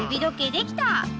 できたね！